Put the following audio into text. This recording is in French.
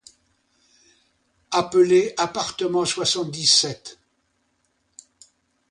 appeler appartement soixante-dix-sept